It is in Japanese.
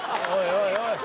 おい